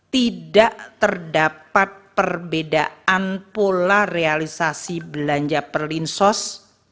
tidak terdapat perbedaan pola realisasi belanja perlinsos